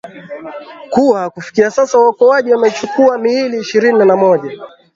kuwa kufikia sasa waokoaji wamechukua miili ishirini na moja